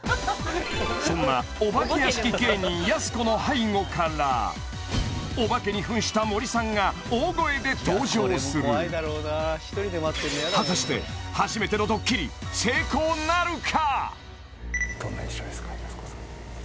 そんなお化け屋敷芸人やす子の背後からお化けにふんした森さんが大声で登場する果たして初めてのドッキリ成功なるか？